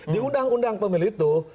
di undang undang pemilu itu